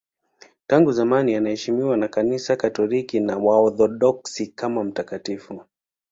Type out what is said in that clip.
Tangu zamani anaheshimiwa na Kanisa Katoliki na Waorthodoksi kama mtakatifu.